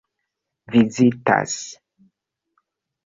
vizitas